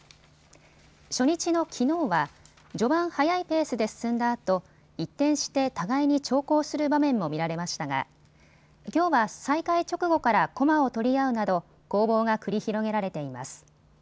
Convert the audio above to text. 初日のきのうは序盤、速いペースで進んだあと一転して互いに長考する場面も見られましたがきょうは再開直後から駒を取り合うなど攻防が繰り広げられています。